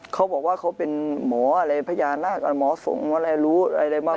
เขาบอกว่าเขาเป็นหมออะไรพญานาคหมอสงฆ์หมออะไรรู้อะไรบ้าง